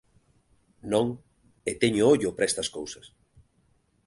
Non, e teño ollo para estas cousas.